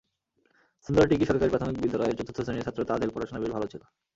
সুন্দ্রাটিকি সরকারি প্রাথমিক বিদ্যালয়ের চতুর্থ শ্রেণির ছাত্র তাজেল পড়াশোনায় বেশ ভালো ছিল।